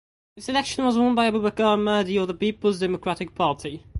The election was won by Abubakar Mahdi of the Peoples Democratic Party.